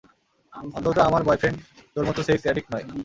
অন্তত আমার বয়ফ্রেন্ড তোর মত সেক্স এডিক্ট নয়।